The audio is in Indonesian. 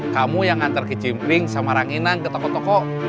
kamu yang antar kejimpring sama ranginang ke toko toko